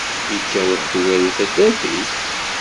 Yekker uhedwir di taddert-ik?